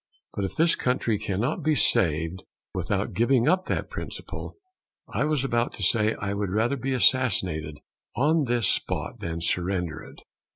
But if this country cannot be saved without giving up that principle, I was about to say I would rather be assassinated on this spot than surrender it.